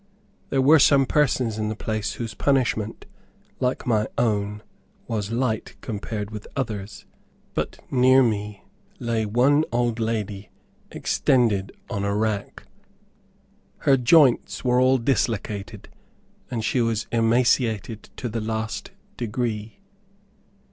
There were some persons in the place whose punishment, like my own, was light compared with others. But near me lay one old lady extended on a rack. Her joints were all dislocated, and she was emaciated to the last degree.